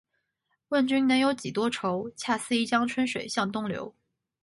问君能有几多愁？恰似一江春水向东流